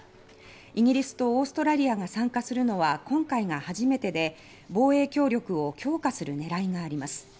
イギリスとオーストラリアが参加するのは今回が初めてで防衛協力を強化する狙いがあります。